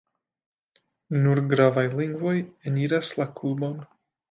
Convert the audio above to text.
Nur gravaj lingvoj eniras la klubon.